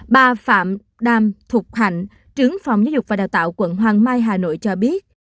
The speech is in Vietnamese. bà phạm đam thục hạnh trướng phòng giáo dục và đào tạo quận hoàng mai hà nội cho biết